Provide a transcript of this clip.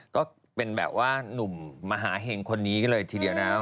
ก็เป็นแบบว่าหนุ่มมหาเห็งคนนี้ก็เลยทีเดียวนะครับ